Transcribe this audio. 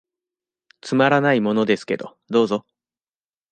つまらないものですけど、どうぞ。